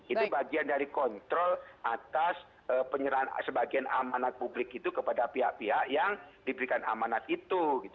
itu bagian dari kontrol atas penyerahan sebagian amanat publik itu kepada pihak pihak yang diberikan amanat itu